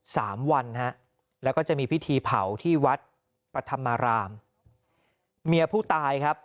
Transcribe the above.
สามวันฮะแล้วก็จะมีพิธีเผาที่วัดประธรรมารามเมียผู้ตายครับ